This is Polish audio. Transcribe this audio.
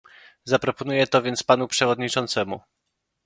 Zaproponuję to więc panu przewodniczącemu